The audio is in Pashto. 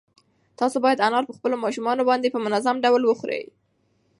تاسو باید انار په خپلو ماشومانو باندې په منظم ډول وخورئ.